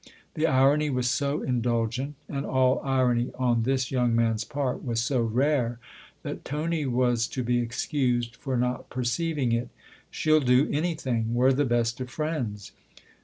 The irony was so indulgent and *all irony on this young man's part was so rare that Tony was to be excused for not perceiving it. " She'll do anything. We're the best of friends."